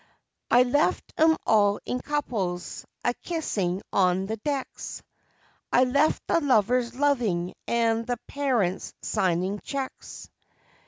I left 'em all in couples akissing on the decks. I left the lovers loving and the parents signing checks.